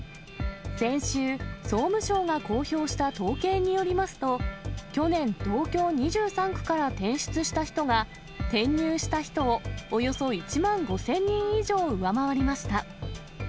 先週、総務省が公表した統計によりますと、去年、東京２３区から転出した人が、転入した人をおよそ１万５０００人以上上回りました。